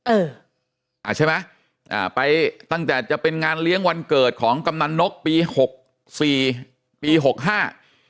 เอออ่าใช่ไหมอ่าไปตั้งแต่จะเป็นงานเลี้ยงวันเกิดของกำนันนกปีหกสี่ปีหกห้า